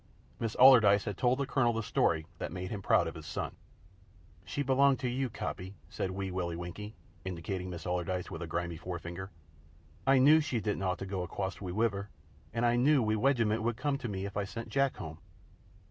Miss Allardyce had told the Colonel a story that made him proud of his son. "She belonged to you, Coppy," said Wee Willie Winkie, indicating Miss Allardyce with a grimy forefinger. "I knew she didn't ought to go acwoss ve wiver, and I knew ve wegiment would come to me if I sent Jack home."